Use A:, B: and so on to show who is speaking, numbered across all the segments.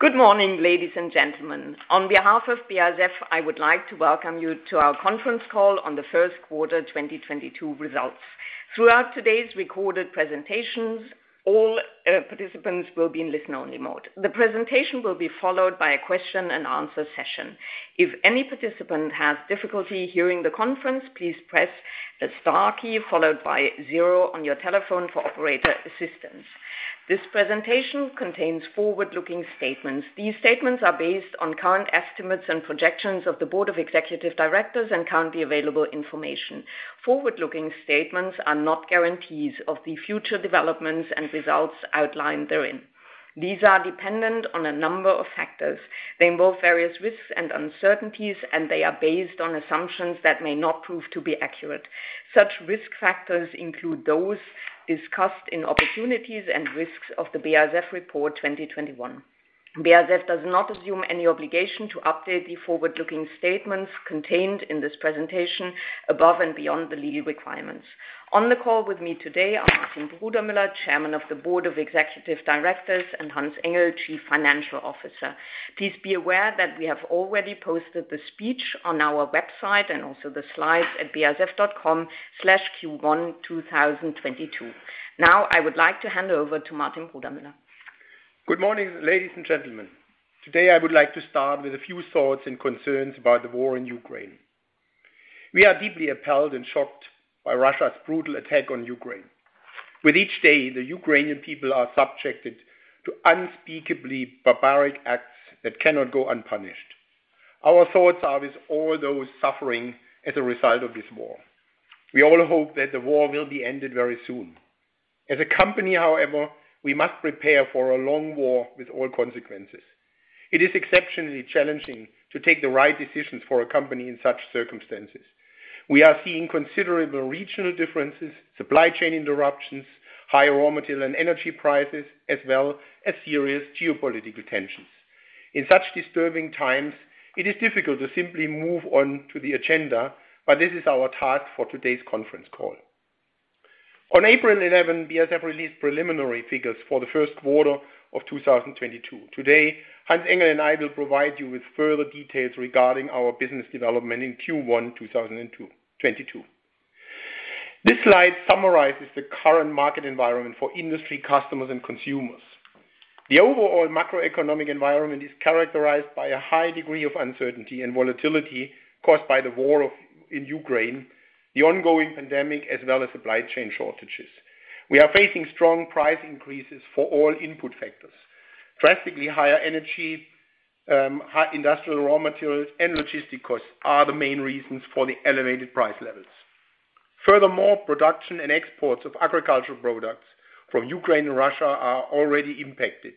A: Good morning, ladies and gentlemen. On behalf of BASF, I would like to welcome you to our conference call on the first quarter 2022 results. Throughout today's recorded presentations, all participants will be in listen-only mode. The presentation will be followed by a question and answer session. If any participant has difficulty hearing the conference, please press the star key followed by zero on your telephone for operator assistance. This presentation contains forward-looking statements. These statements are based on current estimates and projections of the board of executive directors and currently available information. Forward-looking statements are not guarantees of the future developments and results outlined therein. These are dependent on a number of factors. They involve various risks and uncertainties, and they are based on assumptions that may not prove to be accurate. Such risk factors include those discussed in opportunities and risks of the BASF Report 2021. BASF does not assume any obligation to update the forward-looking statements contained in this presentation above and beyond the legal requirements. On the call with me today are Martin Brudermüller, Chairman of the Board of Executive Directors, and Hans-Ulrich Engel, Chief Financial Officer. Please be aware that we have already posted the speech on our website and also the slides at basf.com/q1 2022. Now, I would like to hand over to Martin Brudermüller.
B: Good morning, ladies and gentlemen. Today, I would like to start with a few thoughts and concerns about the war in Ukraine. We are deeply appalled and shocked by Russia's brutal attack on Ukraine. With each day, the Ukrainian people are subjected to unspeakably barbaric acts that cannot go unpunished. Our thoughts are with all those suffering as a result of this war. We all hope that the war will be ended very soon. As a company, however, we must prepare for a long war with all consequences. It is exceptionally challenging to take the right decisions for a company in such circumstances. We are seeing considerable regional differences, supply chain interruptions, high raw material and energy prices, as well as serious geopolitical tensions. In such disturbing times, it is difficult to simply move on to the agenda, but this is our task for today's conference call. On April 11, BASF released preliminary figures for the first quarter of 2022. Today, Hans-Ulrich Engel and I will provide you with further details regarding our business development in Q1 2022. This slide summarizes the current market environment for industry, customers, and consumers. The overall macroeconomic environment is characterized by a high degree of uncertainty and volatility caused by the war in Ukraine, the ongoing pandemic, as well as supply chain shortages. We are facing strong price increases for all input factors. Drastically higher energy, high industrial raw materials, and logistic costs are the main reasons for the elevated price levels. Furthermore, production and exports of agricultural products from Ukraine and Russia are already impacted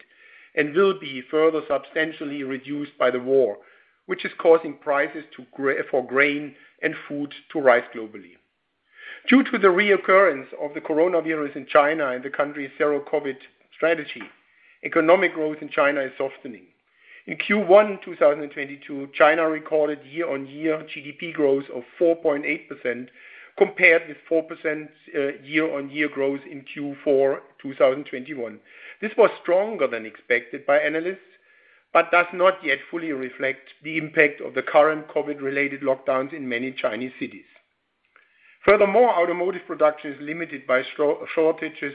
B: and will be further substantially reduced by the war, which is causing prices for grain and food to rise globally. Due to the reoccurrence of the coronavirus in China and the country's zero-COVID strategy, economic growth in China is softening. In Q1 2022, China recorded year-on-year GDP growth of 4.8% compared with 4%, year-on-year growth in Q4 2021. This was stronger than expected by analysts, but does not yet fully reflect the impact of the current COVID-related lockdowns in many Chinese cities. Furthermore, automotive production is limited by shortages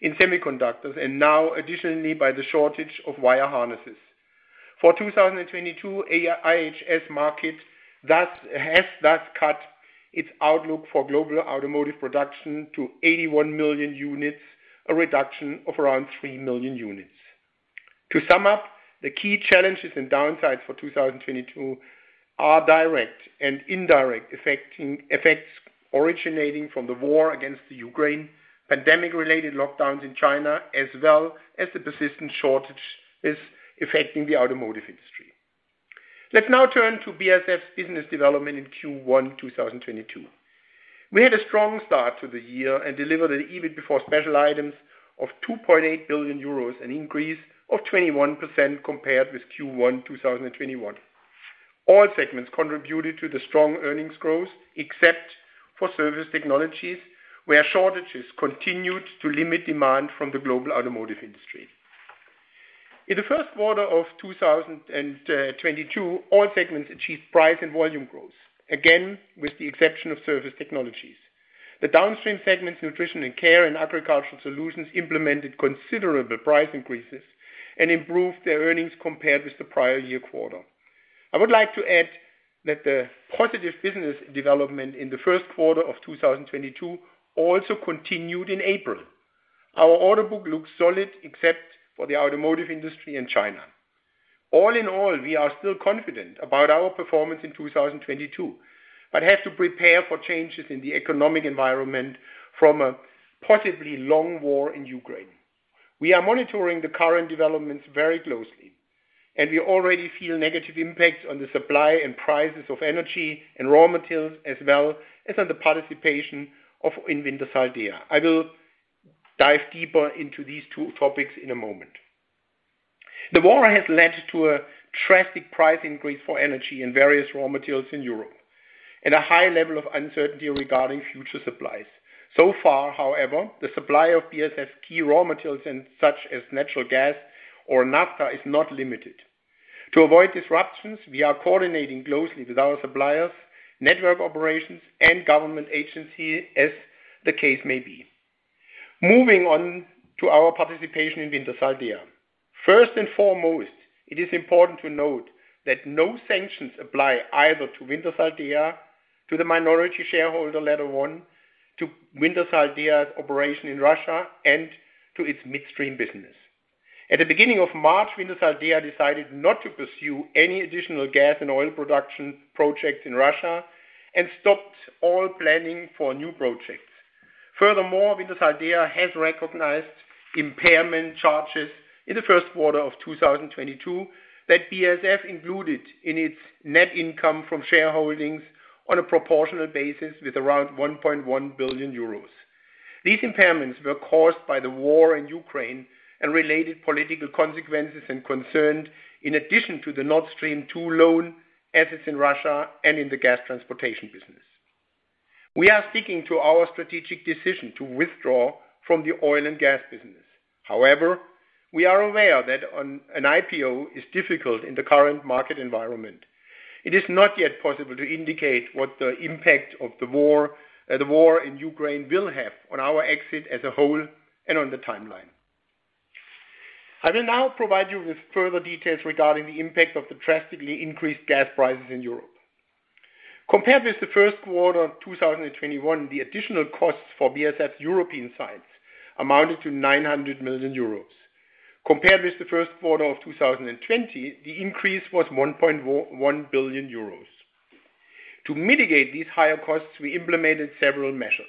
B: in semiconductors, and now additionally by the shortage of wire harnesses. For 2022, IHS Markit has thus cut its outlook for global automotive production to 81 million units, a reduction of around 3 million units. To sum up, the key challenges and downsides for 2022 are direct and indirect effects originating from the war against Ukraine, pandemic-related lockdowns in China, as well as the persistent shortages affecting the automotive industry. Let's now turn to BASF's business development in Q1 2022. We had a strong start to the year and delivered an EBIT before special items of 2.8 billion euros, an increase of 21% compared with Q1 2021. All segments contributed to the strong earnings growth, except for Surface Technologies, where shortages continued to limit demand from the global automotive industry. In the first quarter of 2022, all segments achieved price and volume growth, again with the exception of Surface Technologies. The downstream segments, Nutrition & Care and Agricultural Solutions, implemented considerable price increases and improved their earnings compared with the prior year quarter. I would like to add that the positive business development in the first quarter of 2022 also continued in April. Our order book looks solid except for the automotive industry in China. All in all, we are still confident about our performance in 2022, but have to prepare for changes in the economic environment from a possibly long war in Ukraine. We are monitoring the current developments very closely, and we already feel negative impacts on the supply and prices of energy and raw materials, as well as on the participation of Wintershall Dea. I will dive deeper into these two topics in a moment. The war has led to a drastic price increase for energy and various raw materials in Europe. A high level of uncertainty regarding future supplies. So far, however, the supply of BASF key raw materials such as natural gas or naphtha is not limited. To avoid disruptions, we are coordinating closely with our suppliers, network operations, and government agency as the case may be. Moving on to our participation in Wintershall Dea. First and foremost, it is important to note that no sanctions apply either to Wintershall Dea, to the minority shareholder, LetterOne, to Wintershall Dea's operation in Russia, and to its midstream business. At the beginning of March, Wintershall Dea decided not to pursue any additional gas and oil production projects in Russia, and stopped all planning for new projects. Furthermore, Wintershall Dea has recognized impairment charges in the first quarter of 2022 that BASF included in its net income from shareholdings on a proportional basis with around 1.1 billion euros. These impairments were caused by the war in Ukraine and related political consequences and concerned in addition to the Nord Stream 2 loan, assets in Russia, and in the gas transportation business. We are sticking to our strategic decision to withdraw from the oil and gas business. However, we are aware that an IPO is difficult in the current market environment. It is not yet possible to indicate what the impact of the war in Ukraine will have on our exit as a whole and on the timeline. I will now provide you with further details regarding the impact of the drastically increased gas prices in Europe. Compared with the first quarter of 2021, the additional costs for BASF European sites amounted to 900 million euros. Compared with the first quarter of 2020, the increase was 1.1 billion euros. To mitigate these higher costs, we implemented several measures.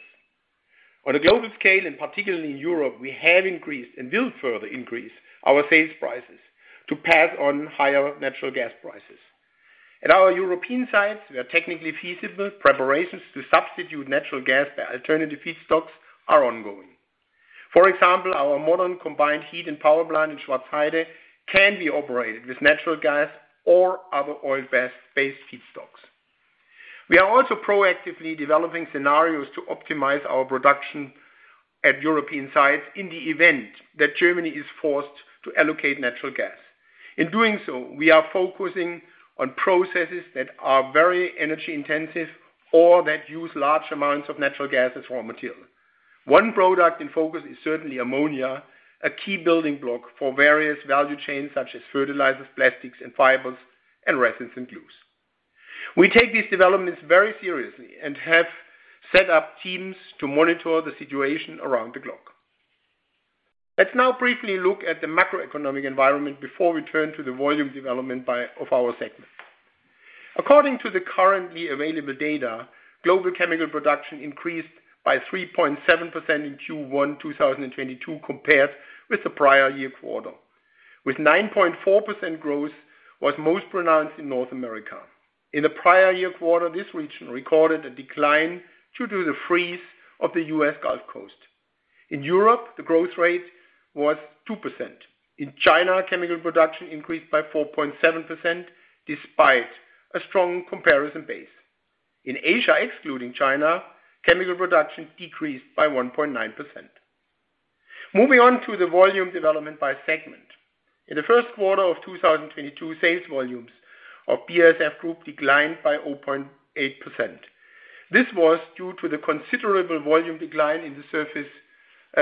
B: On a global scale, and particularly in Europe, we have increased and will further increase our sales prices to pass on higher natural gas prices. At our European sites, where technically feasible preparations to substitute natural gas by alternative feedstocks are ongoing. For example, our modern combined heat and power plant in Schwarzheide can be operated with natural gas or other oil-based feedstocks. We are also proactively developing scenarios to optimize our production at European sites in the event that Germany is forced to allocate natural gas. In doing so, we are focusing on processes that are very energy-intensive or that use large amounts of natural gas as raw material. One product in focus is certainly ammonia, a key building block for various value chains such as fertilizers, plastics and fibers, and resins and glues. We take these developments very seriously and have set up teams to monitor the situation around the clock. Let's now briefly look at the macroeconomic environment before we turn to the volume development of our segment. According to the currently available data, global chemical production increased by 3.7% in Q1 2022 compared with the prior year quarter. The growth was most pronounced in North America with 9.4%. In the prior year quarter, this region recorded a decline due to the freeze of the U.S. Gulf Coast. In Europe, the growth rate was 2%. In China, chemical production increased by 4.7% despite a strong comparison base. In Asia, excluding China, chemical production decreased by 1.9%. Moving on to the volume development by segment. In the first quarter of 2022, sales volumes of BASF Group declined by 0.8%. This was due to the considerable volume decline in the Surface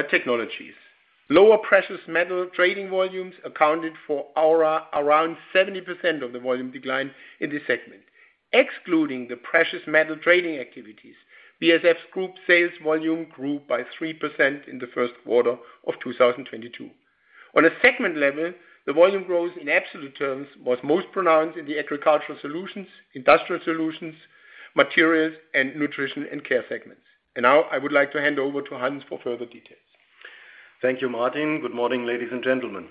B: Technologies. Lower precious metal trading volumes accounted for around 70% of the volume decline in this segment. Excluding the precious metal trading activities, BASF's group sales volume grew by 3% in the first quarter of 2022. On a segment level, the volume growth in absolute terms was most pronounced in the Agricultural Solutions, Industrial Solutions, Materials, and Nutrition & Care segments. Now I would like to hand over to Hans for further details.
C: Thank you, Martin. Good morning, ladies and gentlemen.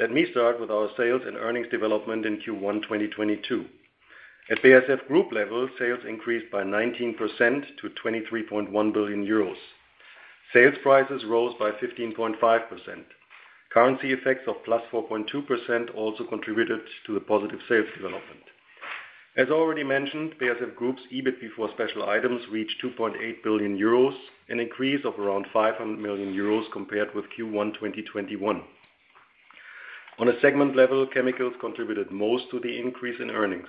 C: Let me start with our sales and earnings development in Q1 2022. At BASF Group level, sales increased by 19% to 23.1 billion euros. Sales prices rose by 15.5%. Currency effects of +4.2% also contributed to the positive sales development. As already mentioned, BASF Group's EBIT before special items reached 2.8 billion euros, an increase of around 500 million euros compared with Q1 2021. On a segment level, chemicals contributed most to the increase in earnings.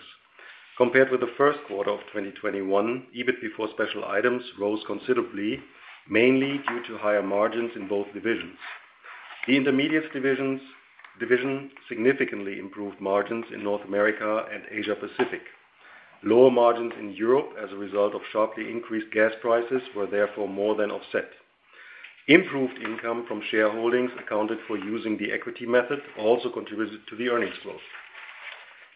C: Compared with the first quarter of 2021, EBIT before special items rose considerably, mainly due to higher margins in both divisions. The intermediates division significantly improved margins in North America and Asia Pacific. Lower margins in Europe as a result of sharply increased gas prices were therefore more than offset. Improved income from shareholdings accounted for using the equity method also contributed to the earnings growth.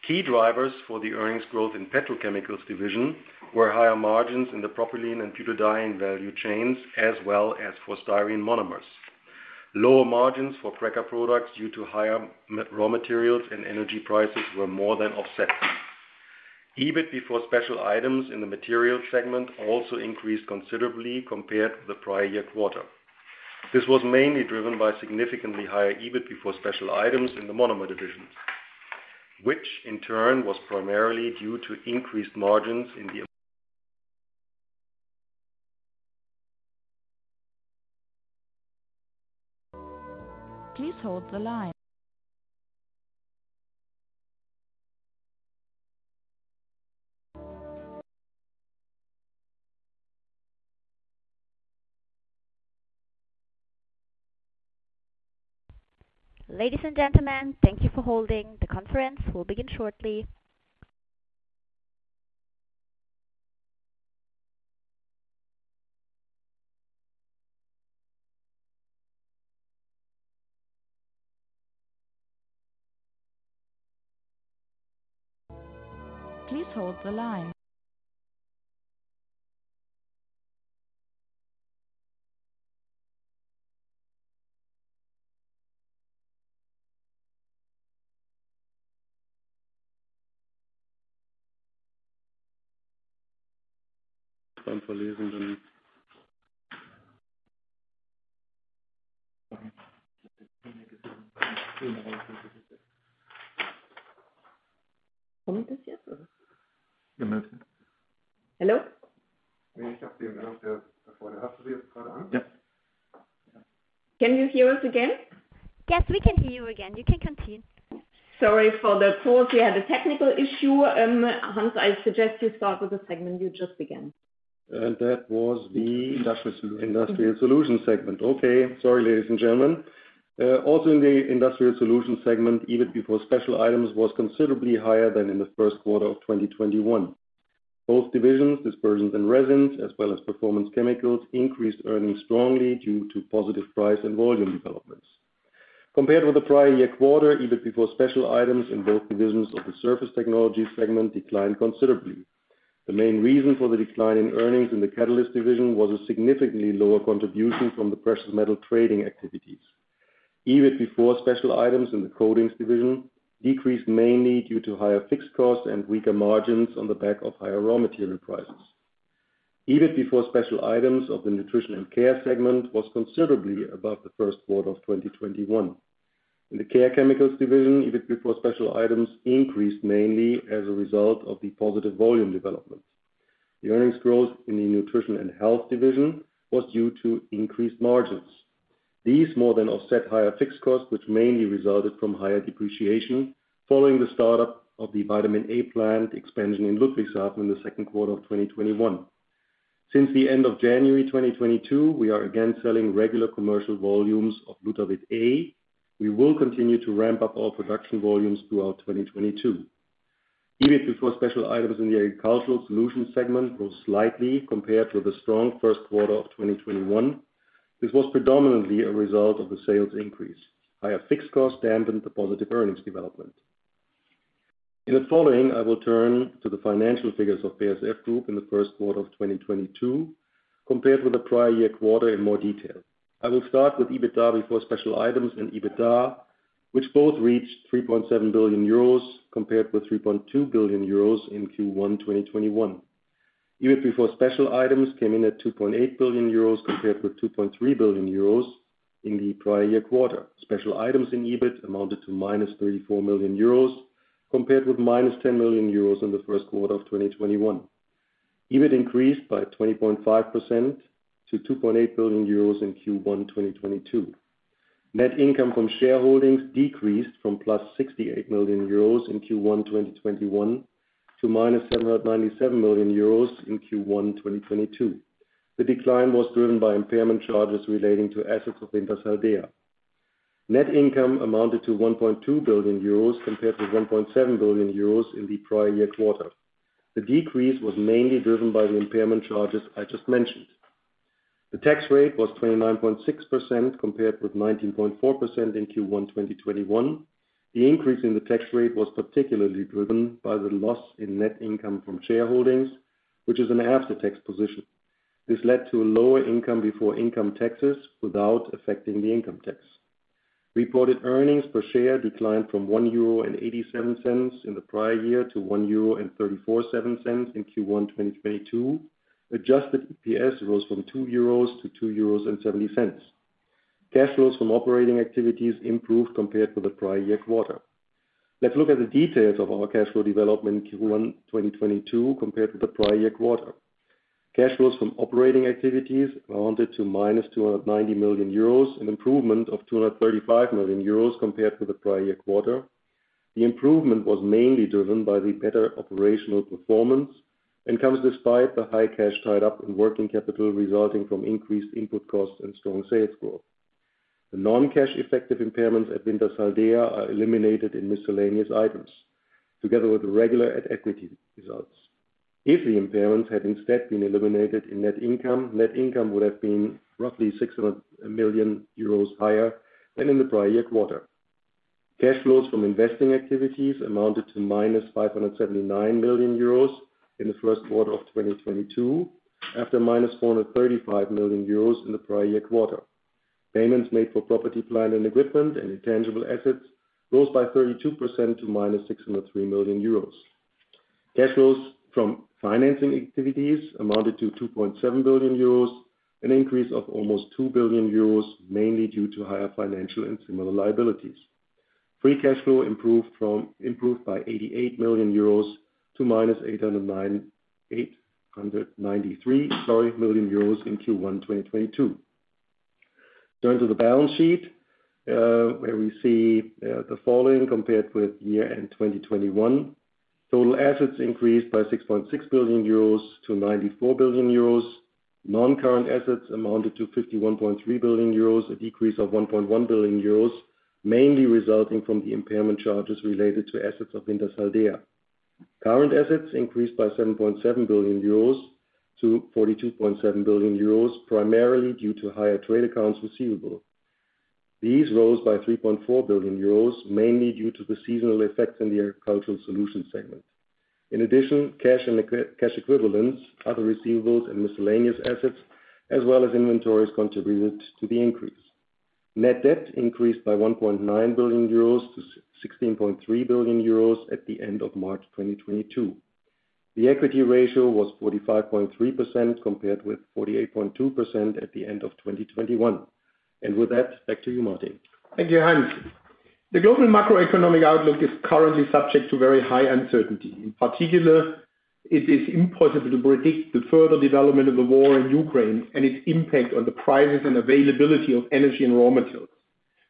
C: Key drivers for the earnings growth in Petrochemicals division were higher margins in the propylene and butadiene value chains, as well as for styrene monomers. Lower margins for cracker products due to higher raw materials and energy prices were more than offset. EBIT before special items in the Materials segment also increased considerably compared to the prior year quarter. This was mainly driven by significantly higher EBIT before special items in the Monomers division. Which in turn was primarily due to increased margins in the.
D: Please hold the line. Ladies and gentlemen, thank you for holding. The conference will begin shortly. Please hold the line.
A: Can you hear us again?
E: Yes, we can hear you again. You can continue.
A: Sorry for the pause. We had a technical issue. Hans, I suggest you start with the segment you just began.
C: And that was the-
B: Industrial Solutions.
C: Industrial Solutions segment. Also in the Industrial Solutions segment, EBIT before special items was considerably higher than in the first quarter of 2021. Both divisions, Dispersions & Resins, as well as Performance Chemicals, increased earnings strongly due to positive price and volume developments. Compared with the prior year quarter, EBIT before special items in both divisions of the Surface Technologies segment declined considerably. The main reason for the decline in earnings in the Catalysts division was a significantly lower contribution from the precious metal trading activities. EBIT before special items in the Coatings division decreased mainly due to higher fixed costs and weaker margins on the back of higher raw material prices. EBIT before special items of the Nutrition & Care segment was considerably above the first quarter of 2021. In the Care Chemicals division, EBIT before special items increased mainly as a result of the positive volume development. The earnings growth in the Nutrition & Health division was due to increased margins. These more than offset higher fixed costs, which mainly resulted from higher depreciation following the start-up of the vitamin A plant expansion in Ludwigshafen in the second quarter of 2021. Since the end of January 2022, we are again selling regular commercial volumes of Lutavit A. We will continue to ramp up our production volumes throughout 2022. EBIT before special items in the Agricultural Solutions segment grew slightly compared with the strong first quarter of 2021. This was predominantly a result of the sales increase. Higher fixed costs dampened the positive earnings development. In the following, I will turn to the financial figures of BASF Group in the first quarter of 2022 compared with the prior year quarter in more detail. I will start with EBITDA before special items and EBITDA, which both reached 3.7 billion euros compared with 3.2 billion euros in Q1 2021. EBIT before special items came in at 2.8 billion euros compared with 2.3 billion euros in the prior year quarter. Special items in EBIT amounted to -34 million euros compared with -10 million euros in the first quarter of 2021. EBIT increased by 20.5% to 2.8 billion euros in Q1 2022. Net income from shareholdings decreased from +68 million euros in Q1 2021 to -797 million euros in Q1 2022. The decline was driven by impairment charges relating to assets of Wintershall Dea. Net income amounted to 1.2 billion euros compared to 1.7 billion euros in the prior year quarter. The decrease was mainly driven by the impairment charges I just mentioned. The tax rate was 29.6% compared with 19.4% in Q1 2021. The increase in the tax rate was particularly driven by the loss in net income from shareholdings, which is an after-tax position. This led to a lower income before income taxes without affecting the income tax. Reported earnings per share declined from 1.87 euro in the prior year to 1.37 euro in Q1 2022. Adjusted EPS rose from 2 euros to 2.70 euros. Cash flows from operating activities improved compared to the prior year quarter. Let's look at the details of our cash flow development in Q1 2022 compared to the prior year quarter. Cash flows from operating activities amounted to −290 million euros, an improvement of 235 million euros compared to the prior year quarter. The improvement was mainly driven by the better operational performance and comes despite the high cash tied up in working capital resulting from increased input costs and strong sales growth. The non-cash effective impairments at Wintershall Dea are eliminated in miscellaneous items together with the regular at-equity results. If the impairments had instead been eliminated in net income, net income would have been roughly 600 million euros higher than in the prior year quarter. Cash flows from investing activities amounted to -579 million euros in the first quarter of 2022, after -435 million euros in the prior year quarter. Payments made for property, plant, and equipment and intangible assets rose by 32% to -603 million euros. Cash flows from financing activities amounted to 2.7 billion euros, an increase of almost 2 billion euros, mainly due to higher financial and similar liabilities. Free cash flow improved by 88 million euros to -893 million euros, sorry, in Q1 2022. Turning to the balance sheet, where we see the following compared with year-end 2021. Total assets increased by 6.6 billion euros to 94 billion euros. Non-current assets amounted to 51.3 billion euros, a decrease of 1.1 billion euros, mainly resulting from the impairment charges related to assets of Wintershall Dea. Current assets increased by 7.7 billion euros to 42.7 billion euros, primarily due to higher trade accounts receivable. These rose by 3.4 billion euros, mainly due to the seasonal effects in the Agricultural Solutions segment. In addition, cash and cash equivalents, other receivables and miscellaneous assets, as well as inventories contributed to the increase. Net debt increased by 1.9 billion euros to 16.3 billion euros at the end of March 2022. The equity ratio was 45.3% compared with 48.2% at the end of 2021. With that, back to you, Martin.
B: Thank you, Hans. The global macroeconomic outlook is currently subject to very high uncertainty. In particular, it is impossible to predict the further development of the war in Ukraine and its impact on the prices and availability of energy and raw materials.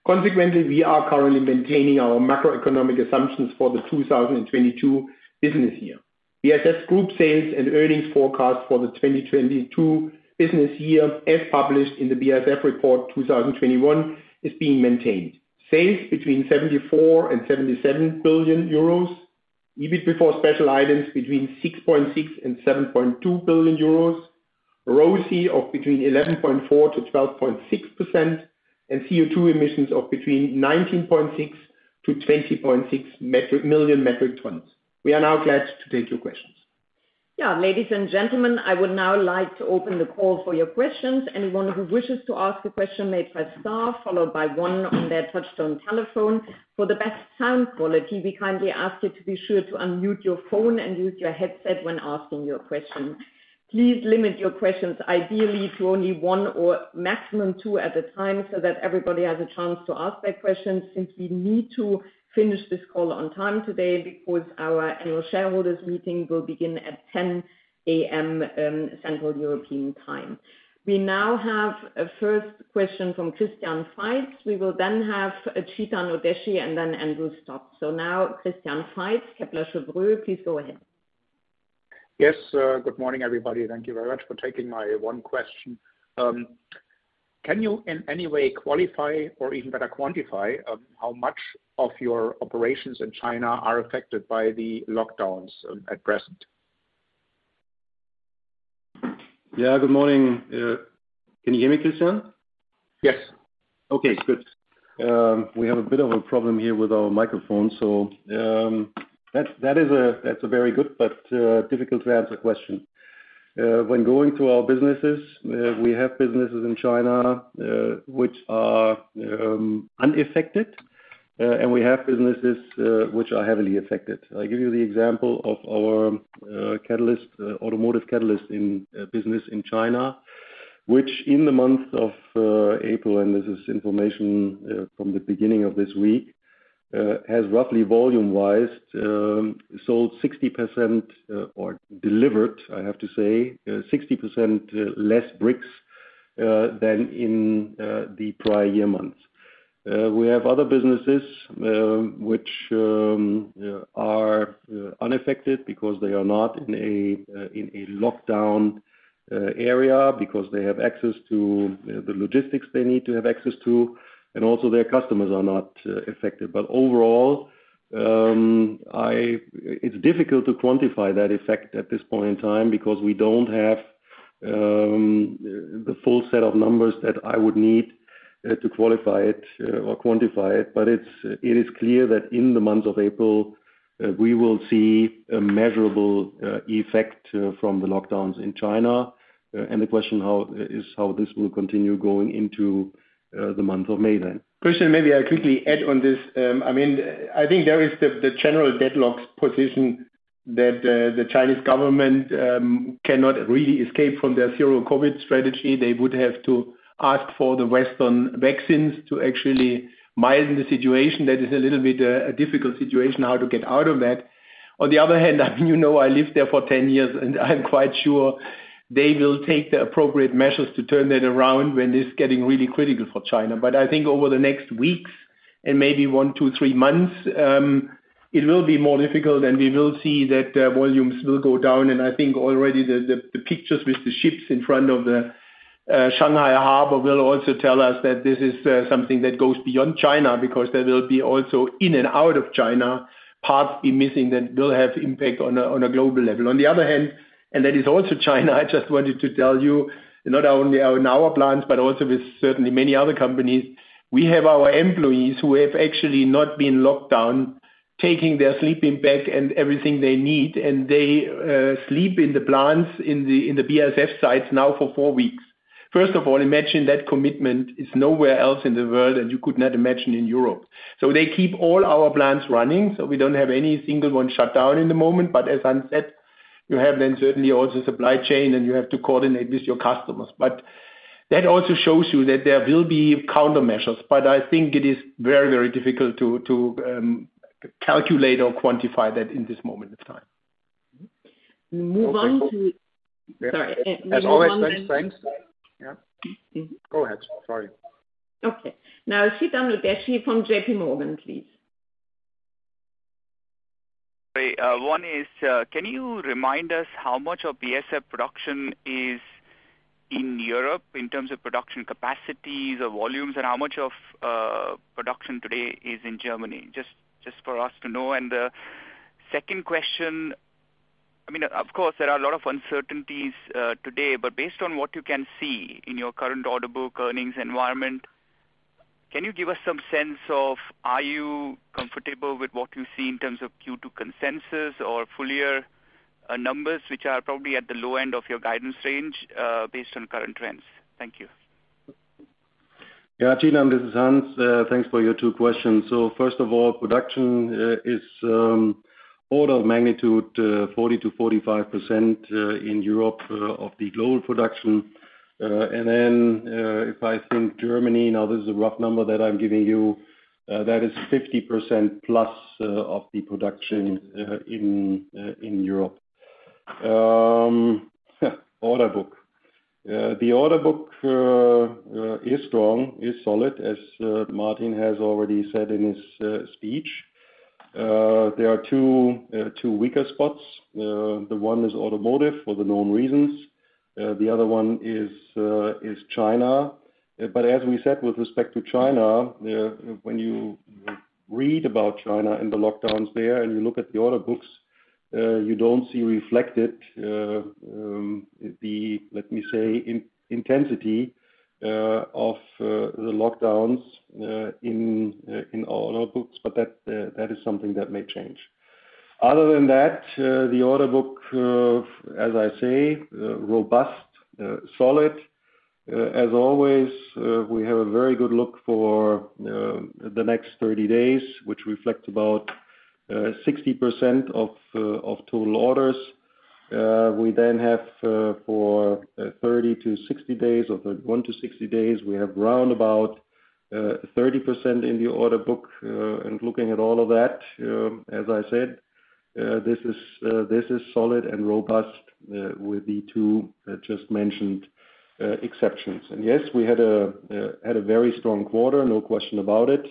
B: Consequently, we are currently maintaining our macroeconomic assumptions for the 2022 business year. BASF group sales and earnings forecast for the 2022 business year, as published in the BASF report 2021, is being maintained. Sales between 74 billion-77 billion euros, EBIT before special items between 6.6 billion-7.2 billion euros, ROCE of between 11.4%-12.6%, and CO2 emissions of between 19.6-20.6 million metric tons. We are now glad to take your questions.
A: Yeah, ladies and gentlemen, I would now like to open the call for your questions. Anyone who wishes to ask a question may press star, followed by one on their touch-tone telephone. For the best sound quality, we kindly ask you to be sure to unmute your phone and use your headset when asking your question. Please limit your questions ideally to only one or maximum two at a time so that everybody has a chance to ask their question, since we need to finish this call on time today because our annual shareholders meeting will begin at 10:00 A.M., Central European Time. We now have a first question from Christian Faitz. We will then have Chetan Udeshi and then Andrew Stott. Now Christian Faitz, Kepler Cheuvreux, please go ahead.
F: Yes, good morning, everybody. Thank you very much for taking my one question. Can you in any way qualify or even better quantify how much of your operations in China are affected by the lockdowns at present?
C: Yeah, good morning. Can you hear me, Christian?
F: Yes.
C: Okay, good. We have a bit of a problem here with our microphone. That's a very good but difficult to answer question. When going through our businesses, we have businesses in China which are unaffected, and we have businesses which are heavily affected. I give you the example of our catalyst automotive catalyst business in China, which in the month of April, and this is information from the beginning of this week, has roughly volume-wise sold 60% or delivered, I have to say, 60% less bricks than in the prior year months. We have other businesses, which are unaffected because they are not in a lockdown area because they have access to the logistics they need to have access to, and also their customers are not affected. Overall, it's difficult to quantify that effect at this point in time because we don't have the full set of numbers that I would need to qualify it or quantify it. It's clear that in the month of April, we will see a measurable effect from the lockdowns in China. The question is how this will continue going into the month of May then.
B: Christian, maybe I quickly add on this. I mean, I think there is the general deadlock position that the Chinese government cannot really escape from their zero-COVID strategy. They would have to ask for the Western vaccines to actually milden the situation. That is a little bit a difficult situation how to get out of that. On the other hand, you know, I lived there for 10 years, and I'm quite sure they will take the appropriate measures to turn that around when it's getting really critical for China. I think over the next weeks and maybe 1 to 3 months it will be more difficult, and we will see that volumes will go down. I think already the pictures with the ships in front of the Shanghai Harbor will also tell us that this is something that goes beyond China, because there will be also in and out of China parts be missing that will have impact on a global level. On the other hand, and that is also China, I just wanted to tell you, not only in our plants, but also with certainly many other companies, we have our employees who have actually not been locked down, taking their sleeping bag and everything they need, and they sleep in the plants in the BASF sites now for four weeks. First of all, imagine that commitment is nowhere else in the world, and you could not imagine in Europe. They keep all our plants running, so we don't have any single one shut down in the moment. As Hans said, you have then certainly also supply chain, and you have to coordinate with your customers. That also shows you that there will be countermeasures. I think it is very, very difficult to calculate or quantify that in this moment of time.
A: Sorry. As always, thanks. Move on then.
C: Yeah. Go ahead. Sorry.
A: Okay. Now, Chetan Udeshi from JPMorgan, please.
G: Hey. One is, can you remind us how much of BASF production is in Europe in terms of production capacities or volumes? How much of production today is in Germany? Just for us to know. The second question, I mean, of course, there are a lot of uncertainties today. Based on what you can see in your current order book earnings environment, can you give us some sense of are you comfortable with what you see in terms of Q2 consensus or full-year numbers which are probably at the low end of your guidance range, based on current trends? Thank you.
C: Yeah, Chetan, this is Hans. Thanks for your two questions. First of all, production is order of magnitude 40%-45% in Europe of the global production. If I think Germany, now this is a rough number that I'm giving you, that is 50% plus of the production in Europe. Order book. The order book is strong, is solid, as Martin has already said in his speech. There are two weaker spots. The one is automotive for the known reasons. The other one is China. As we said with respect to China, when you read about China and the lockdowns there, and you look at the order books, you don't see reflected, let me say, the intensity of the lockdowns in our order books. That is something that may change. Other than that, the order book, as I say, robust, solid. As always, we have a very good look for the next 30 days, which reflect about 60% of total orders. We then have for 30-60 days, we have round about 30% in the order book. Looking at all of that, as I said, this is solid and robust, with the two just mentioned exceptions. Yes, we had a very strong quarter, no question about it.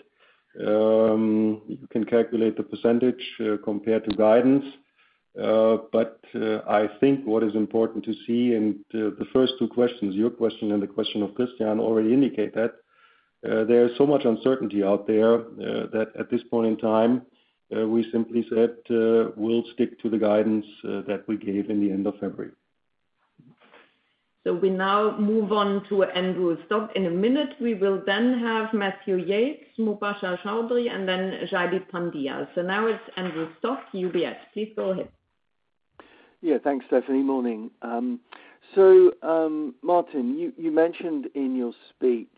C: You can calculate the percentage compared to guidance. I think what is important to see, and the first two questions, your question and the question of Christian already indicate that, there is so much uncertainty out there, that at this point in time, we simply said, we'll stick to the guidance, that we gave in the end of February.
A: We now move on to Andrew Stott. In a minute, we will then have Matthew Yates, Mubasher Chaudhry, and then Jaideep Pandya. Now it's Andrew Stott, UBS, please go ahead.
H: Yeah. Thanks, Stefanie. Morning. Martin, you mentioned in your speech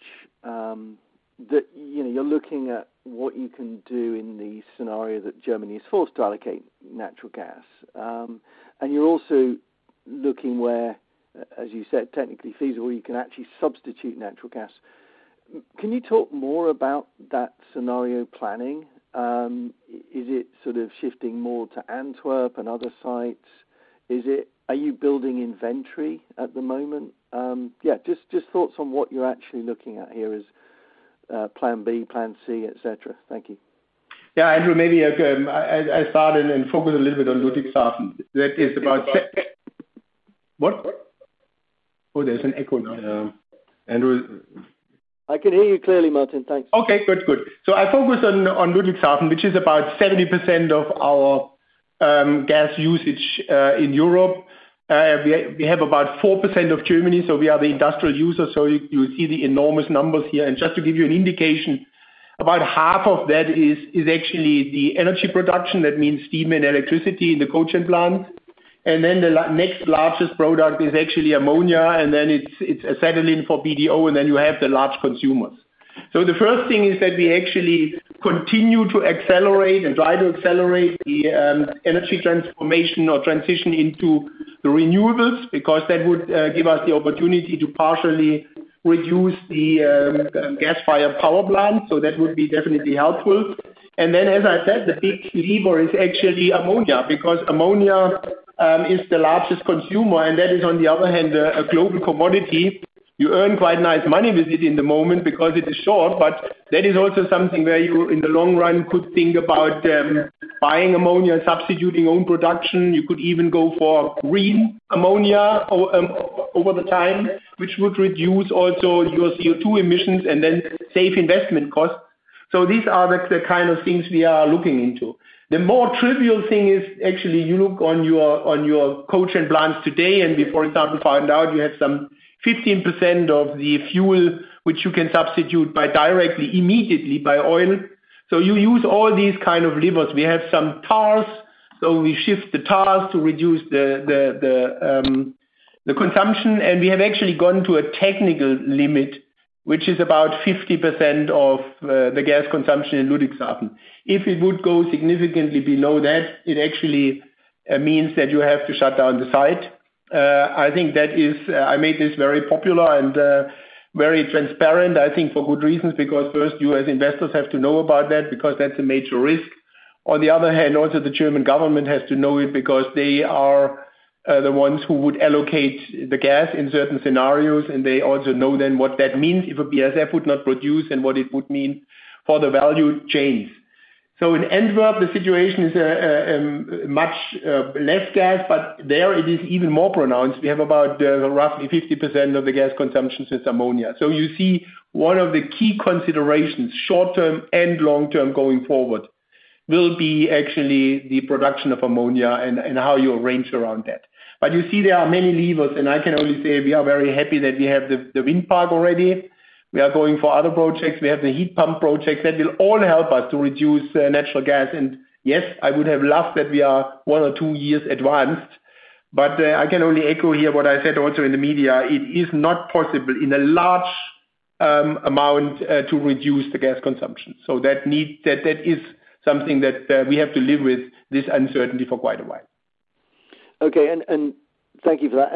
H: that you know you're looking at what you can do in the scenario that Germany is forced to allocate natural gas. You're also looking where, as you said, technically feasible, you can actually substitute natural gas. Can you talk more about that scenario planning? Is it sort of shifting more to Antwerp and other sites? Are you building inventory at the moment? Yeah, just thoughts on what you're actually looking at here as plan B, plan C, et cetera. Thank you.
B: Yeah. Andrew Stott, maybe I'll start and focus a little bit on Ludwigshafen. What? Oh, there's an echo now. Andrew Stott...
H: I can hear you clearly, Martin. Thanks.
B: Okay. Good. Good. I focus on Ludwigshafen, which is about 70% of our gas usage in Europe. We have about 4% of Germany, so we are the industrial user. You see the enormous numbers here. Just to give you an indication, about half of that is actually the energy production. That means steam and electricity in the cogeneration plant. Then the next largest product is actually ammonia, and then it's acetylene for BDO, and then you have the large consumers. The first thing is that we actually continue to accelerate and try to accelerate the energy transformation or transition into the renewables, because that would give us the opportunity to partially reduce the gas-fired power plant. That would be definitely helpful. As I said, the big lever is actually ammonia, because ammonia is the largest consumer, and that is, on the other hand, a global commodity. You earn quite nice money with it in the moment because it is short, but that is also something where you, in the long run, could think about buying ammonia, substituting own production. You could even go for green ammonia over the time, which would reduce also your CO2 emissions and then save investment costs. These are the kind of things we are looking into. The more trivial thing is actually you look on your cogeneration plants today and we, for example, find out you have some 15% of the fuel which you can substitute by directly, immediately by oil. You use all these kind of levers. We have some tars. We shift the task to reduce the consumption, and we have actually gone to a technical limit, which is about 50% of the gas consumption in Ludwigshafen. If it would go significantly below that, it actually means that you have to shut down the site. I think that is. I made this very popular and very transparent, I think for good reasons, because first, you as investors have to know about that because that's a major risk. On the other hand, also the German government has to know it because they are the ones who would allocate the gas in certain scenarios, and they also know then what that means if BASF would not produce and what it would mean for the value chains. In Antwerp, the situation is much less gas, but there it is even more pronounced. We have about, roughly 50% of the gas consumption is ammonia. You see one of the key considerations, short-term and long-term going forward, will be actually the production of ammonia and how you arrange around that. You see there are many levers, and I can only say we are very happy that we have the wind park already. We are going for other projects. We have the heat pump project. That will all help us to reduce natural gas. Yes, I would have loved that we are one or two years advanced, but I can only echo here what I said also in the media. It is not possible in a large amount to reduce the gas consumption. That is something that we have to live with this uncertainty for quite a while.
H: Okay. Thank you for that.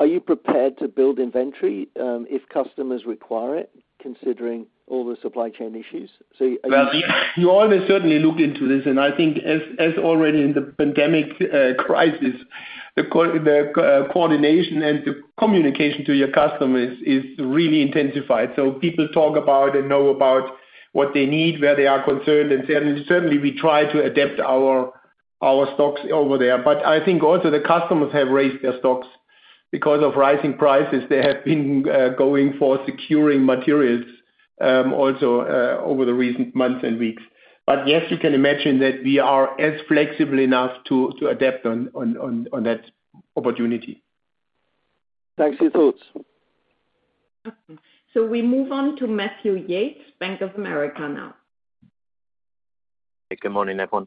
H: Are you prepared to build inventory, if customers require it, considering all the supply chain issues?
B: Well, you always certainly look into this, and I think as already in the pandemic crisis, the coordination and the communication to your customers is really intensified. People talk about and know about what they need, where they are concerned, and certainly we try to adapt our stocks over there. I think also the customers have raised their stocks because of rising prices. They have been going for securing materials, also, over the recent months and weeks. Yes, you can imagine that we are as flexible enough to adapt on that opportunity.
H: Thanks for your thoughts.
A: We move on to Matthew Yates, Bank of America now.
I: Good morning, everyone.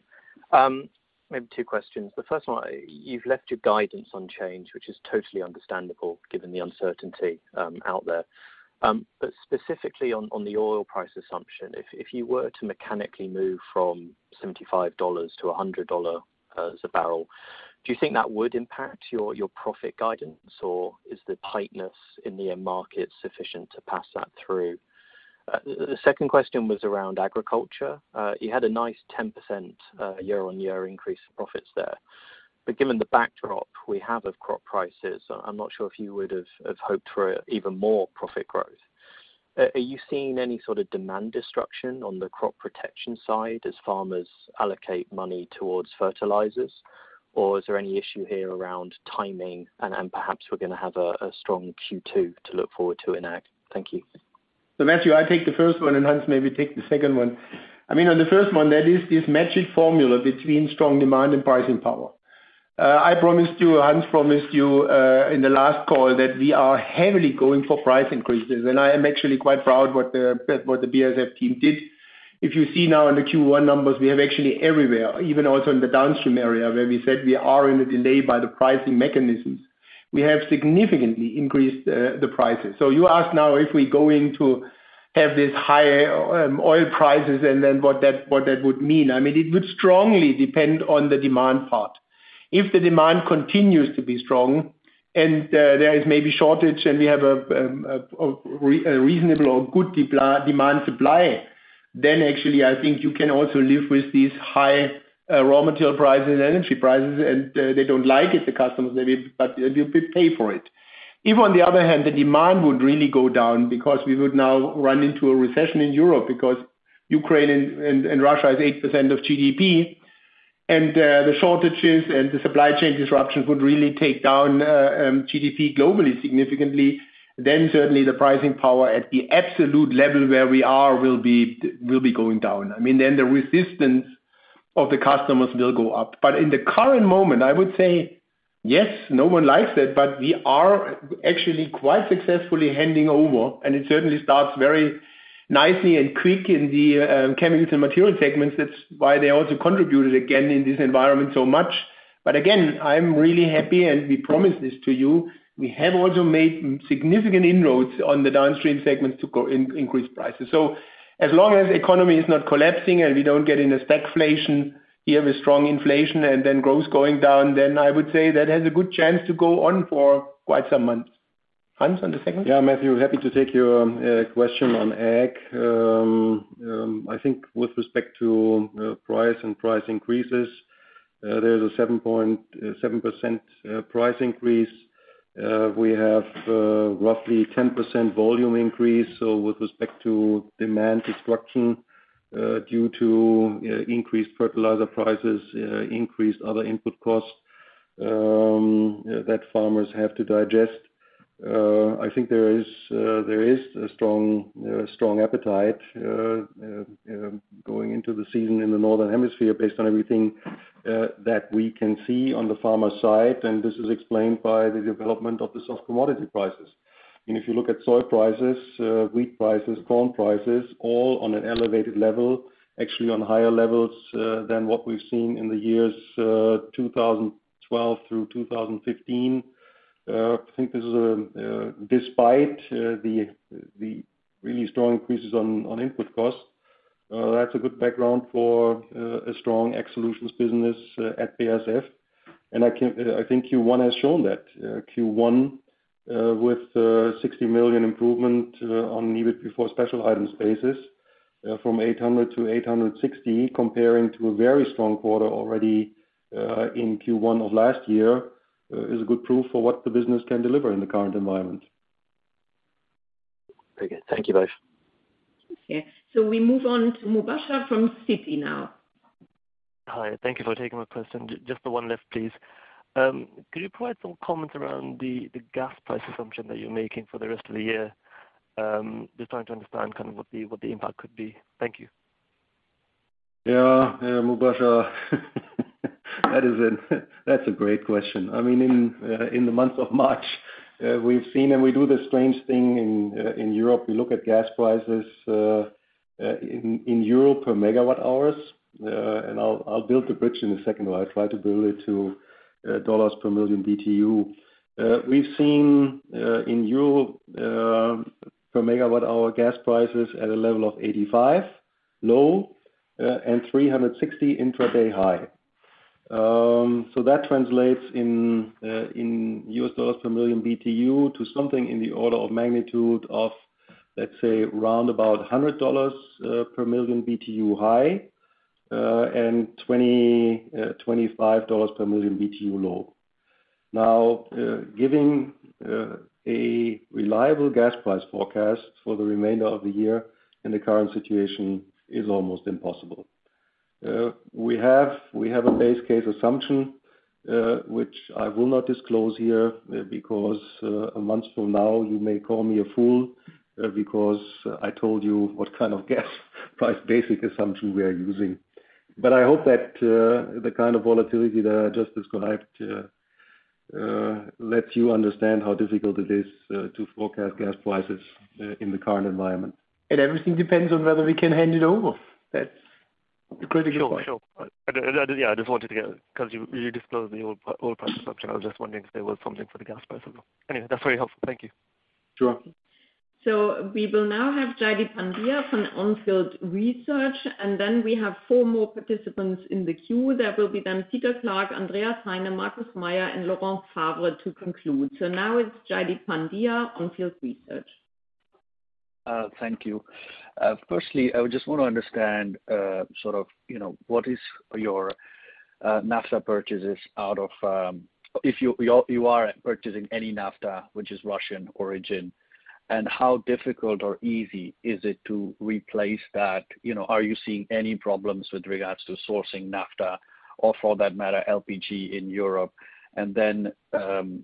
I: Maybe two questions. The first one, you've left your guidance unchanged, which is totally understandable given the uncertainty out there. Specifically on the oil price assumption, if you were to mechanically move from $75 to $100 a barrel, do you think that would impact your profit guidance, or is the tightness in the market sufficient to pass that through? The second question was around agriculture. You had a nice 10% year-on-year increase in profits there. Given the backdrop we have of crop prices, I'm not sure if you would have hoped for even more profit growth. Are you seeing any sort of demand destruction on the crop protection side as farmers allocate money towards fertilizers? Is there any issue here around timing and perhaps we're gonna have a strong Q2 to look forward to in ag? Thank you.
B: Matthew, I take the first one, and Hans maybe take the second one. I mean, on the first one, that is this magic formula between strong demand and pricing power. I promised you, Hans promised you, in the last call that we are heavily going for price increases, and I am actually quite proud what the BASF team did. If you see now in the Q1 numbers, we have actually everywhere, even also in the downstream area where we said we are in a delay by the pricing mechanisms. We have significantly increased the prices. You ask now if we're going to have these high oil prices and then what that would mean. I mean, it would strongly depend on the demand part. If the demand continues to be strong and there is maybe shortage and we have a reasonable or good demand supply, then actually I think you can also live with these high raw material prices and energy prices, and they don't like it, the customers, maybe, but they pay for it. If on the other hand the demand would really go down because we would now run into a recession in Europe because Ukraine and Russia is 8% of GDP and the shortages and the supply chain disruptions would really take down GDP globally significantly, then certainly the pricing power at the absolute level where we are will be going down. I mean, then the resistance of the customers will go up. In the current moment, I would say, yes, no one likes it, but we are actually quite successfully handing over, and it certainly starts very nicely and quick in the chemicals and Materials segments. That's why they also contributed again in this environment so much. Again, I'm really happy, and we promised this to you. We have also made significant inroads on the downstream segments to go increase prices. As long as economy is not collapsing and we don't get into stagflation, you have a strong inflation and then growth going down, then I would say that has a good chance to go on for quite some months. Hans, on the second?
C: Yeah, Matthew, happy to take your question on ag. I think with respect to price and price increases, there's a 7.7% price increase. We have roughly 10% volume increase, so with respect to demand destruction due to increased fertilizer prices, increased other input costs that farmers have to digest. I think there is a strong appetite going into the season in the northern hemisphere based on everything that we can see on the farmer side, and this is explained by the development of the soft commodity prices. If you look at soy prices, wheat prices, corn prices, all on an elevated level, actually on higher levels than what we've seen in the years 2012 through 2015. I think this is despite the really strong increases on input costs, that's a good background for a strong AgSolutions business at BASF. I think Q1 has shown that. Q1 with 60 million improvement on EBIT before special items basis from 800 to 860 comparing to a very strong quarter already in Q1 of last year is good proof of what the business can deliver in the current environment.
I: Very good. Thank you both.
A: Okay. We move on to Mubasher from Citi now.
J: Hi. Thank you for taking my question. Just the one left, please. Could you provide some comments around the gas price assumption that you're making for the rest of the year? Just trying to understand kind of what the impact could be. Thank you.
C: Yeah. Yeah, Mubasher, that's a great question. I mean, in the month of March, we've seen. We do this strange thing in Europe. We look at gas prices in euro per megawatt hours. I'll build the bridge in a second while I try to build it to dollars per million BTU. We've seen in euro per megawatt hour gas prices at a level of 85 low and 360 intraday high. So that translates in US dollars per million BTU to something in the order of magnitude of, let's say, round about $100 per million BTU high and $25 per million BTU low. Now, giving a reliable gas price forecast for the remainder of the year in the current situation is almost impossible. We have a base case assumption, which I will not disclose here, because a month from now you may call me a fool, because I told you what kind of gas price basic assumption we are using. I hope that the kind of volatility that I just described lets you understand how difficult it is to forecast gas prices in the current environment. Everything depends on whether we can hand it over. That's the critical point.
J: Sure, sure. I did, yeah, I just wanted to get because you disclosed the oil price assumption. I was just wondering if there was something for the gas price as well. Anyway, that's very helpful. Thank you.
C: Sure.
A: We will now have Jaideep Pandya from On Field Investment Research, and then we have four more participants in the queue. That will be then Peter Clark, Andreas Heine, Markus Mayer, and Laurent Favre to conclude. Now it's Jaideep Pandya, On Field Investment Research.
K: Thank you. Firstly, I would just want to understand, sort of, you know, what is your naphtha purchases out of, if you are purchasing any naphtha, which is Russian origin, and how difficult or easy is it to replace that? You know, are you seeing any problems with regards to sourcing naphtha or for that matter LPG in Europe? And then,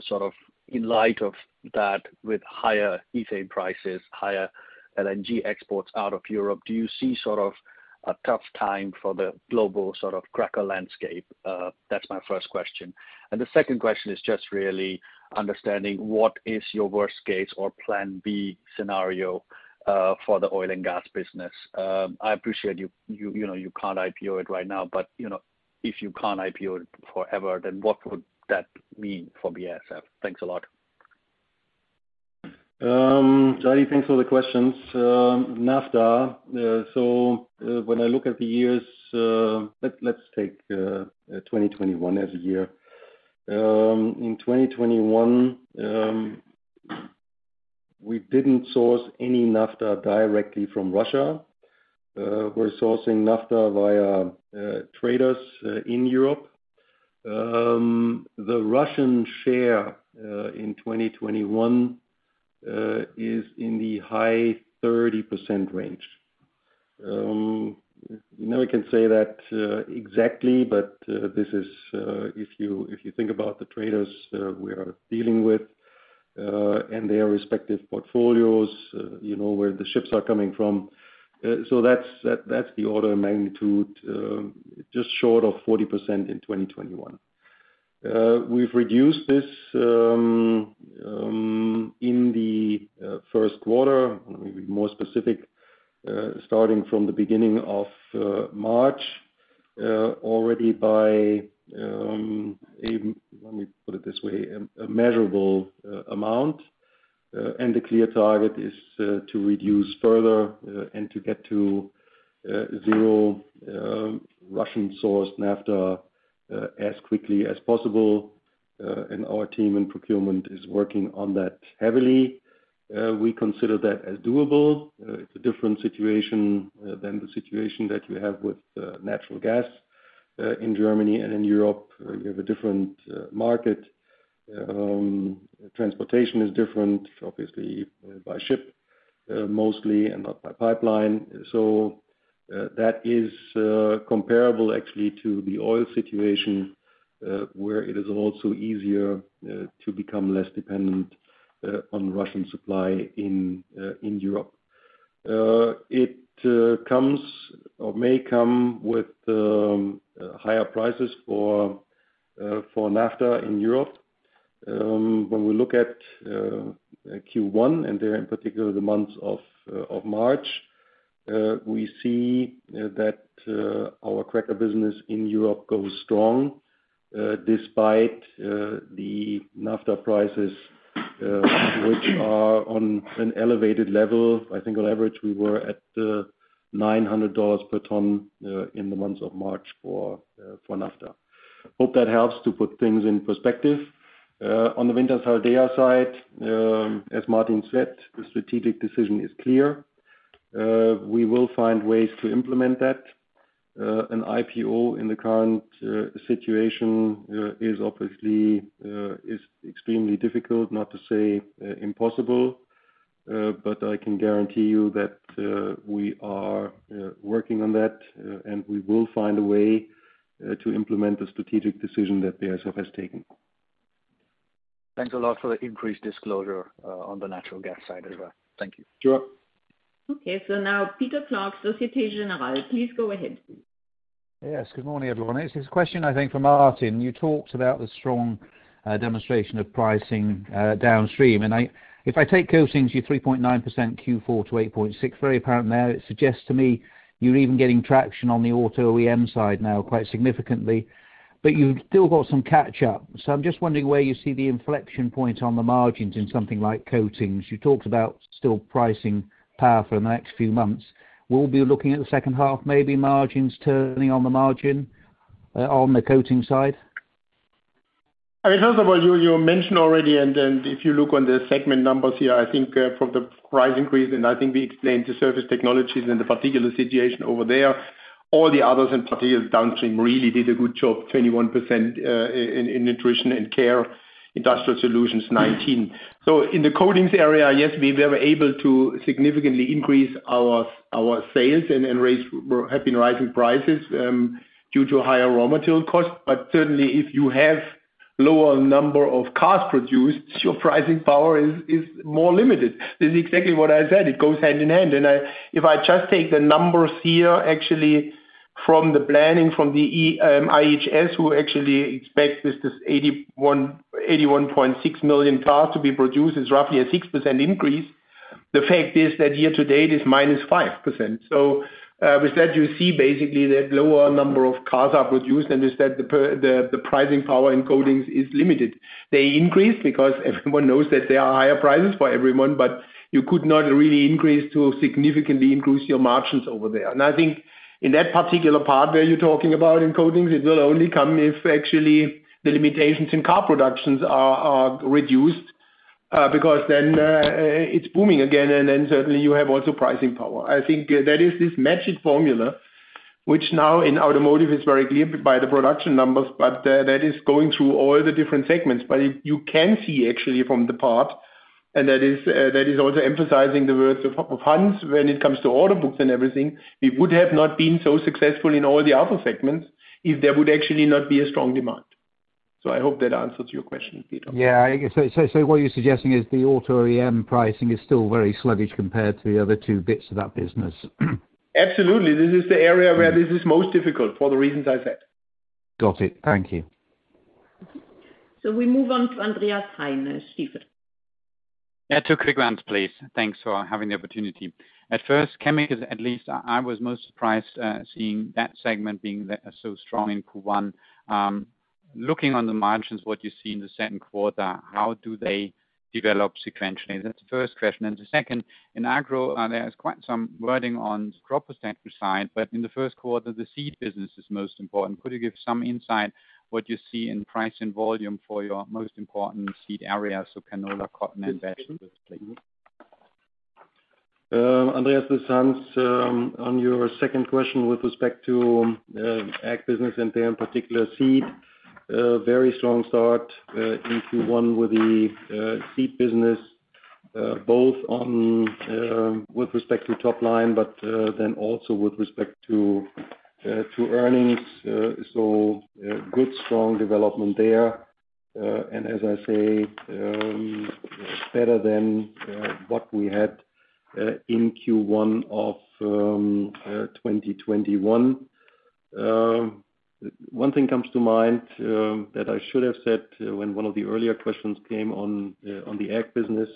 K: sort of in light of that, with higher ethane prices, higher LNG exports out of Europe, do you see sort of a tough time for the global sort of cracker landscape? That's my first question. And the second question is just really understanding what is your worst case or plan B scenario, for the oil and gas business? I appreciate you know, you can't IPO it right now, but, you know, if you can't IPO it forever, then what would that mean for BASF? Thanks a lot.
C: Jaideep, thanks for the questions. Naphtha, so when I look at the years, let's take 2021 as a year. In 2021, we didn't source any naphtha directly from Russia. We're sourcing naphtha via traders in Europe. The Russian share in 2021 is in the high 30% range. Nobody can say that exactly, but this is if you think about the traders we are dealing with and their respective portfolios, you know, where the ships are coming from. That's the order of magnitude, just short of 40% in 2021. We've reduced this in the first quarter, maybe more specific, starting from the beginning of March, already by a measurable amount. The clear target is to reduce further and to get to zero Russian sourced naphtha as quickly as possible. Our team and procurement is working on that heavily. We consider that as doable. It's a different situation than the situation that you have with natural gas in Germany and in Europe. You have a different market. Transportation is different, obviously by ship, mostly and not by pipeline. That is comparable actually to the oil situation, where it is also easier to become less dependent on Russian supply in Europe. It comes or may come with higher prices for naphtha in Europe. When we look at Q1 and in particular the months of March, we see that our cracker business in Europe goes strong despite the naphtha prices which are on an elevated level. I think on average, we were at $900 per ton in the months of March for naphtha. Hope that helps to put things in perspective. On the Wintershall Dea side, as Martin said, the strategic decision is clear. We will find ways to implement that. An IPO in the current situation is obviously extremely difficult, not to say impossible. I can guarantee you that we are working on that and we will find a way to implement the strategic decision that BASF has taken.
K: Thanks a lot for the increased disclosure, on the natural gas side as well. Thank you.
C: Sure.
A: Okay, now Peter Clark, Société Générale, please go ahead.
L: Yes, good morning, everyone. It's this question I think for Martin. You talked about the strong demonstration of pricing downstream. If I take coatings, your 3.9% Q4 to 8.6%, very apparent there. It suggests to me you're even getting traction on the auto OEM side now quite significantly, but you've still got some catch up. I'm just wondering where you see the inflection point on the margins in something like coatings. You talked about still pricing power for the next few months. Will we be looking at the second half, maybe margins turning on the margin on the coating side?
B: I mean, first of all, you mentioned already, and if you look on the segment numbers here, I think from the price increase, and I think we explained the Surface Technologies and the particular situation over there. All the others in particular downstream really did a good job, 21% in Nutrition & Care, Industrial Solutions, 19%. In the Coatings area, yes, we were able to significantly increase our sales and have been rising prices due to higher raw material costs. Certainly if you have lower number of cars produced, your pricing power is more limited. This is exactly what I said. It goes hand in hand. If I just take the numbers here, actually, from the planning from the IHS, who actually expect this 81.6 million cars to be produced. It's roughly a 6% increase. The fact is that year to date is -5%. With that, you see basically that lower number of cars are produced, and with that the pricing power in Coatings is limited. They increase because everyone knows that there are higher prices for everyone, but you could not really increase to significantly increase your margins over there. I think in that particular part where you're talking about in Coatings, it will only come if actually the limitations in car productions are reduced, because then it's booming again and then certainly you have also pricing power. I think that is this magic formula, which now in automotive is very clear by the production numbers, but that is going through all the different segments. You can see actually from the part, and that is also emphasizing the words of Hans when it comes to order books and everything. We would have not been so successful in all the other segments if there would actually not be a strong demand. I hope that answers your question, Peter.
L: Yeah. What you're suggesting is the auto OEM pricing is still very sluggish compared to the other two bits of that business.
B: Absolutely. This is the area where this is most difficult for the reasons I said.
L: Got it. Thank you.
A: We move on to Andreas Heine, Stifel.
M: Yeah, two quick ones, please. Thanks for having the opportunity. At first, chemicals, at least I was most surprised seeing that segment being so strong in Q1. Looking on the margins, what you see in the second quarter, how do they develop sequentially? That's the first question. And the second, in agro, there's quite some wording on crop protection side, but in the first quarter, the seed business is most important. Could you give some insight what you see in price and volume for your most important seed areas, so canola, cotton, and soybean? Please.
C: Andreas, this is Hans. On your second question with respect to ag business and then particular seed, very strong start in Q1 with the seed business both on with respect to top line, but then also with respect to earnings. Good strong development there. As I say, better than what we had in Q1 of 2021. One thing comes to mind that I should have said when one of the earlier questions came on the ag business.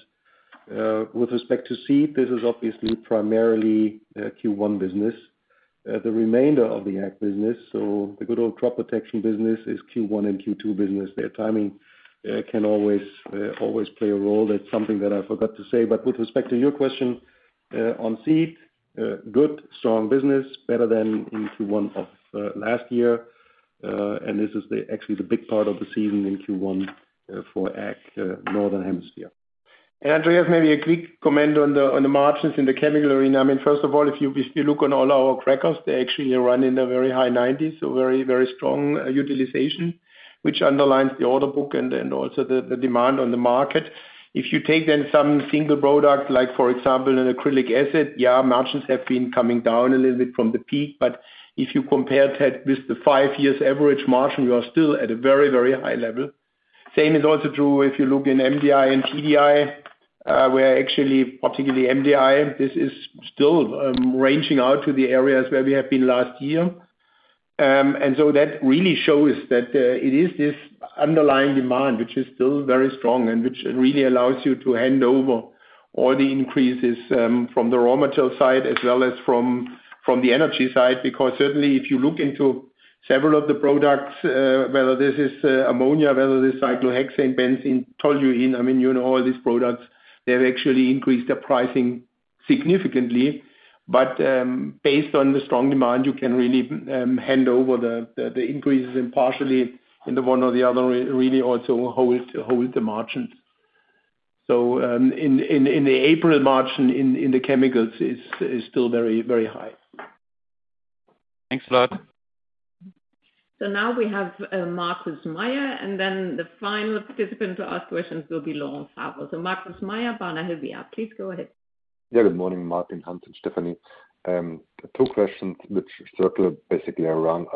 C: With respect to seed, this is obviously primarily a Q1 business. The remainder of the ag business, so the good old crop protection business is Q1 and Q2 business. Their timing can always play a role. That's something that I forgot to say. With respect to your question, on seed, a good strong business, better than in Q1 of last year. This is actually the big part of the season in Q1 for ag, Northern Hemisphere.
B: Andreas, maybe a quick comment on the margins in the chemical arena. I mean, first of all, if you look on all our crackers, they actually run in the very high 90s%. So very, very strong utilization, which underlines the order book and then also the demand on the market. If you take then some single product, like for example, an acrylic acid, yeah, margins have been coming down a little bit from the peak. If you compare that with the five-year average margin, you are still at a very, very high level. Same is also true if you look in MDI and TDI, where actually, particularly MDI, this is still ranging out to the areas where we have been last year. That really shows that it is this underlying demand which is still very strong and which really allows you to hand over all the increases from the raw material side as well as from the energy side. Because certainly if you look into several of the products, whether this is ammonia, whether this cyclohexane, benzene, toluene, I mean, you know all these products, they've actually increased their pricing significantly. Based on the strong demand, you can really hand over the increases impartially in the one or the other, really also hold the margins. In the April margin in the chemicals is still very, very high.
M: Thanks a lot.
A: Now we have Markus Mayer, and then the final participant to ask questions will be Laurent Favre. Markus Mayer, Baader Helvea. Please go ahead.
N: Yeah, good morning, Martin Brudermüller, Hans-Ulrich Engel, and Stefanie Wettberg. Two questions which circle basically around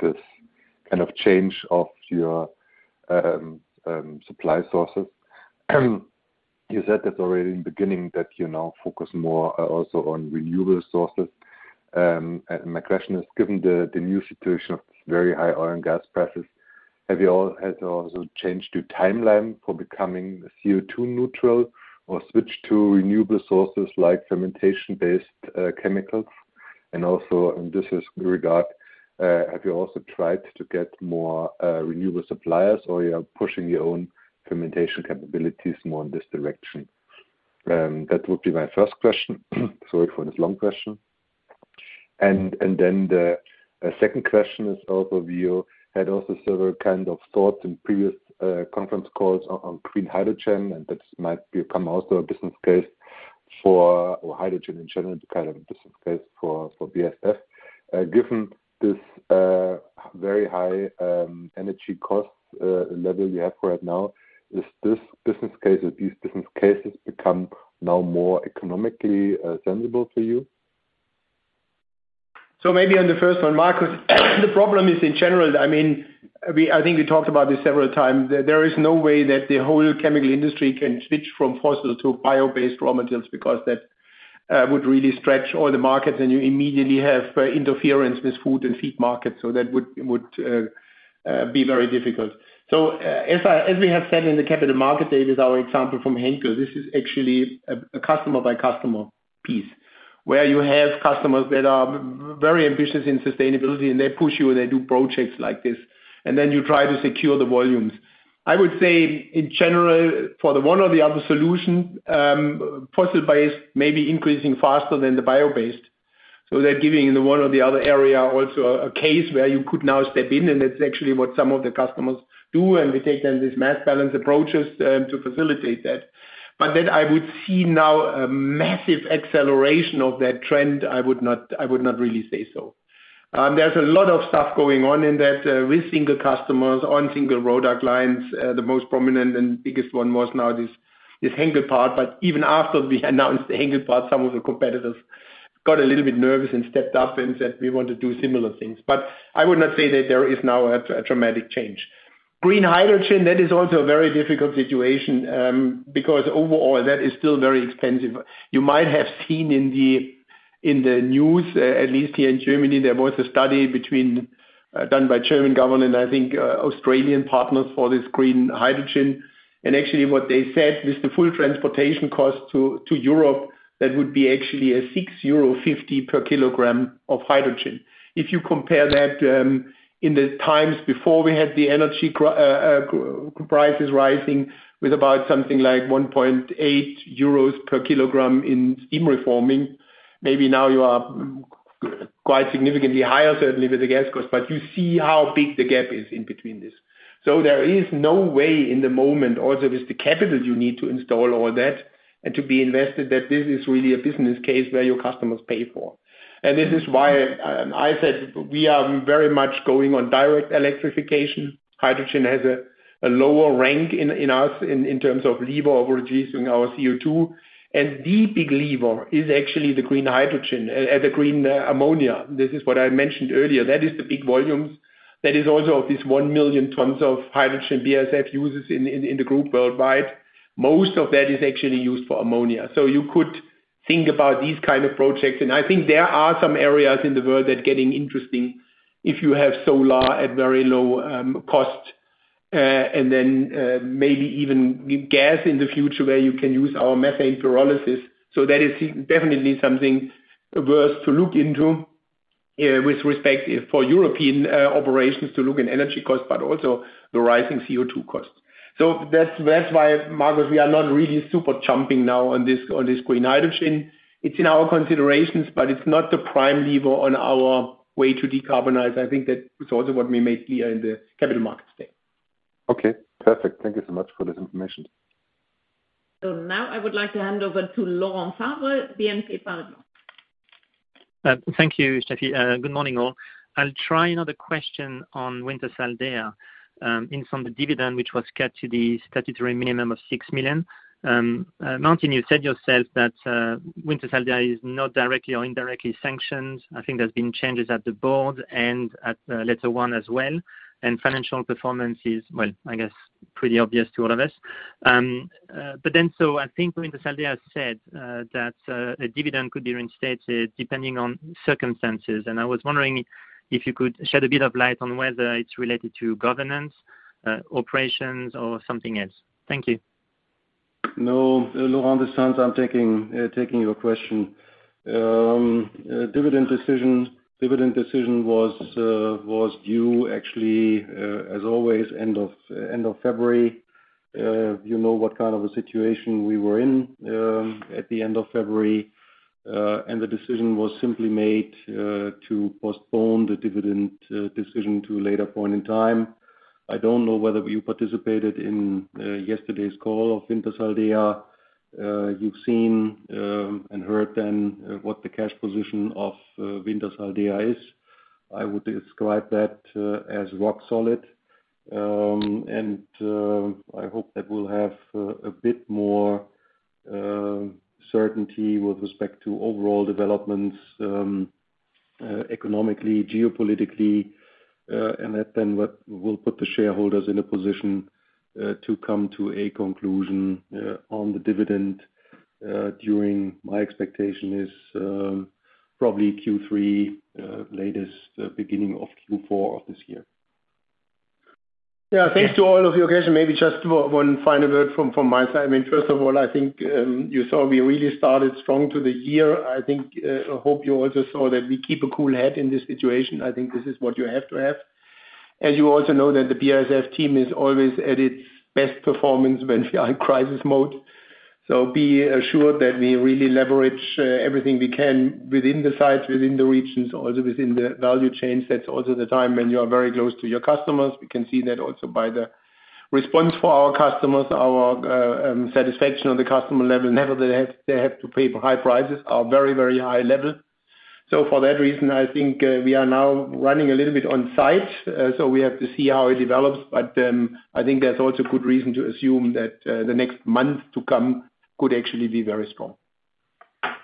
N: this kind of change of your supply sources. You said that already in the beginning that you now focus more also on renewable sources. My question is, given the new situation of very high oil and gas prices, have you all had also changed your timeline for becoming CO2 neutral or switched to renewable sources like fermentation-based chemicals? And also, in this regard, have you also tried to get more renewable suppliers, or you are pushing your own fermentation capabilities more in this direction? That would be my first question. Sorry for this long question. The second question is also if you had also several kind of thoughts in previous conference calls on green hydrogen, and that might become also a business case. Or hydrogen in general is kind of a business case for BASF. Given this very high energy cost level you have right now, is this business case or these business cases become now more economically sensible to you?
B: Maybe on the first one, Markus, the problem is in general, I mean, I think we talked about this several times, there is no way that the whole chemical industry can switch from fossil to bio-based raw materials because that would really stretch all the markets, and you immediately have interference with food and feed markets. That would be very difficult. As we have said in the Capital Markets Day, our example from Henkel. This is actually a customer by customer piece, where you have customers that are very ambitious in sustainability, and they push you, and they do projects like this, and then you try to secure the volumes. I would say in general, for the one or the other solution, fossil-based may be increasing faster than the bio-based. They're giving in the one or the other area also a case where you could now step in, and that's actually what some of the customers do. We take then these mass balance approaches to facilitate that. That I would see now a massive acceleration of that trend, I would not really say so. There's a lot of stuff going on in that with single customers on single product lines. The most prominent and biggest one was now this Henkel part. Even after we announced the Henkel part, some of the competitors got a little bit nervous and stepped up and said, "We want to do similar things." I would not say that there is now a dramatic change. Green hydrogen, that is also a very difficult situation because overall that is still very expensive. You might have seen in the news, at least here in Germany, there was a study between done by German government, I think, Australian partners for this green hydrogen. Actually what they said with the full transportation cost to Europe, that would be actually 6.50 euro per kilogram of hydrogen. If you compare that, in the times before we had the energy prices rising with about something like 1.8 euros per kilogram in steam reforming, maybe now you are quite significantly higher, certainly with the gas costs. You see how big the gap is in between this. There is no way in the moment, also with the capital you need to install all that and to be invested, that this is really a business case where your customers pay for. This is why I said we are very much going on direct electrification. Hydrogen has a lower rank in terms of lever of reducing our CO2. The big lever is actually the green hydrogen, the green ammonia. This is what I mentioned earlier. That is the big volumes. That is also of this 1 million tons of hydrogen BASF uses in the group worldwide. Most of that is actually used for ammonia. You could think about these kind of projects. I think there are some areas in the world that getting interesting if you have solar at very low cost, and then maybe even gas in the future where you can use our methane pyrolysis. That is definitely something worth to look into, with respect to European operations to look into energy costs, but also the rising CO2 costs. That's why, Markus, we are not really super jumping now on this green hydrogen. It's in our considerations, but it's not the prime lever on our way to decarbonize. I think that it's also what we made clear in the Capital Markets Day.
N: Okay, perfect. Thank you so much for this information.
A: Now I would like to hand over to Laurent Favre, BNP Paribas.
O: Thank you, Stefanie. Good morning, all. I'll try another question on Wintershall Dea, income from the dividend, which was cut to the statutory minimum of 6 million. Martin, you said yourself that Wintershall Dea is not directly or indirectly sanctioned. I think there's been changes at the board and at LetterOne as well, and financial performance is, well, I guess pretty obvious to all of us. But then so I think Wintershall Dea said that a dividend could be reinstated depending on circumstances. I was wondering if you could shed a bit of light on whether it's related to governance, operations or something else. Thank you.
C: No, Laurent Favre, I'm taking your question. Dividend decision was due actually, as always, end of February. You know what kind of a situation we were in at the end of February, and the decision was simply made to postpone the dividend decision to a later point in time. I don't know whether you participated in yesterday's call of Wintershall Dea. You've seen and heard then what the cash position of Wintershall Dea is. I would describe that as rock solid. I hope that we'll have a bit more certainty with respect to overall developments economically, geopolitically, and that then will put the shareholders in a position to come to a conclusion on the dividend. The timing, my expectation is probably Q3, at the latest beginning of Q4 of this year.
B: Yeah. Thanks to all of you. Okay. Maybe just one final word from my side. I mean, first of all, I think you saw we really started strong into the year. I think, I hope you also saw that we keep a cool head in this situation. I think this is what you have to have. As you also know that the BASF team is always at its best performance when we are in crisis mode. Be assured that we really leverage everything we can within the sites, within the regions, also within the value chain. That's also the time when you are very close to your customers. We can see that also by the response from our customers, our satisfaction on the customer level. Nevertheless, they have to pay high prices, satisfaction is at a very, very high level. For that reason, I think, we are now running a little bit on site, so we have to see how it develops. I think there's also good reason to assume that the next month to come could actually be very strong.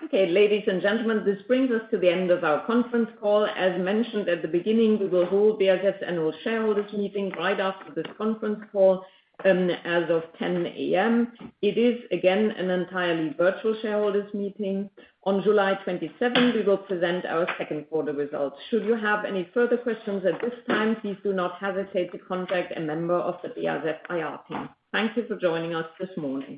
A: Okay, ladies and gentlemen, this brings us to the end of our conference call. As mentioned at the beginning, we will hold BASF Annual Shareholders Meeting right after this conference call, as of 10 A.M. It is, again, an entirely virtual shareholders meeting. On July 27th, we will present our second quarter results. Should you have any further questions at this time, please do not hesitate to contact a member of the BASF IR team. Thank you for joining us this morning.